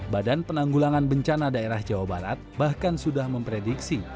badan penanggulangan bencana daerah jawa barat bahkan sudah memprediksi